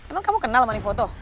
emang kamu kenal mani foto